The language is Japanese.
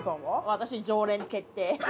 私「常連決定」。